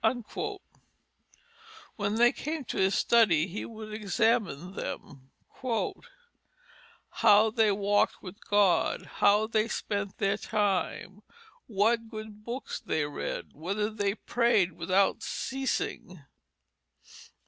When they came to his study, he would examine them, "How they walked with God? How they spent their time, what good books they read? Whether they prayed without ceasing?"